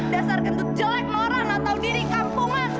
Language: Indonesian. dasar gendut jelek lorong atau diri kampungan